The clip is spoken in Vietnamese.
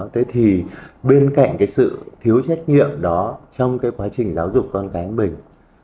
thế thì bên cạnh cái sự thiếu trách nhiệm đó trong cái quá trình giáo dục con cái mình